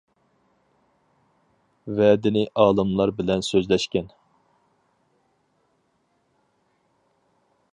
ۋە دىنى ئالىملار بىلەن سۆزلەشكەن .